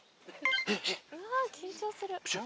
うわ緊張する。